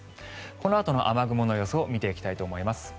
このあとの雨雲の予想を見ていきたいと思います。